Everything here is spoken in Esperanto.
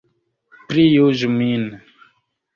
Prijuĝu min!